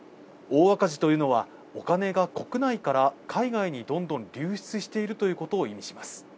大赤字というのは、お金が国内から海外にどんどん流出していることを意味します。